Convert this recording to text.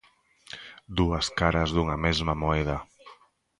Dúas caras dunha mesma moeda.